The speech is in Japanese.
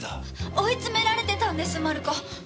追い詰められてたんですマルコ。